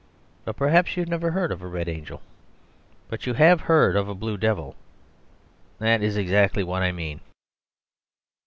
But, perhaps, you have never heard of a red angel. But you have heard of a blue devil. That is exactly what I mean.